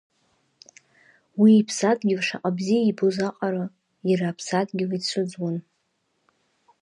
Уи иԥсадгьыл шаҟа бзиа ибоз аҟара, иара Аԥсадгьыл ицәыӡуан.